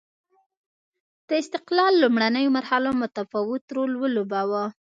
د استقلال لومړنیو مرحلو متفاوت رول ولوباوه.